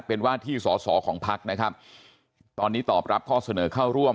เป็นว่าที่สอสอของพักนะครับตอนนี้ตอบรับข้อเสนอเข้าร่วม